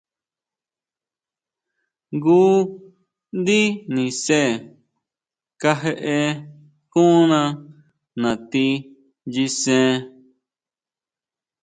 Jngu ndi nise kajeʼe konna nati nyisen.